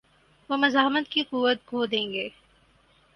وہ مزاحمت کی قوت کھو دیں گے۔